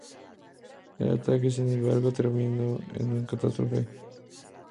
El ataque, sin embargo, terminó en una catástrofe.